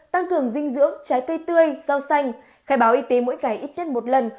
tăng cường dinh dưỡng trái cây tươi rau xanh khai báo y tế mỗi ngày ít nhất một lần